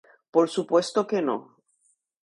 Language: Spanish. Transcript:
por supuesto que no